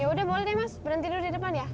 yaudah boleh deh mas berhenti dulu di depan ya